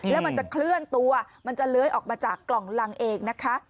แล้วมันจะเคลื่อนตัวมันจะเลื้อยออกมาจากกล่องลังเองนะคะ